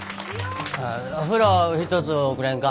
お風呂ひとつおくれんか。